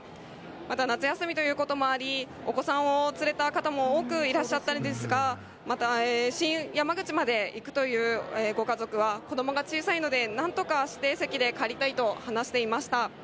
また夏休みということもあり、お子さんを連れた方も多くいらっしゃったんですが、また新山口まで行くというご家族は、子どもが小さいのでなんとか指定席で帰りたいと話していました。